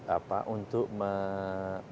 apa untuk mengembangkan